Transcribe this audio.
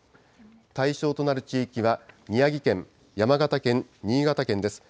対象となる地域は宮城県、山形県、新潟県です。